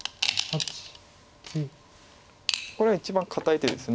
これが一番堅い手です。